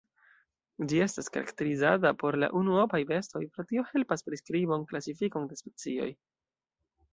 Ĝi estas karakteriza por la unuopaj bestoj, pro tio helpas priskribon, klasifikon de specioj.